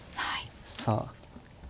さあ。